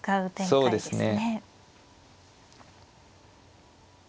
そうですね。